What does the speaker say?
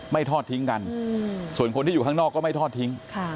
ทอดทิ้งกันส่วนคนที่อยู่ข้างนอกก็ไม่ทอดทิ้ง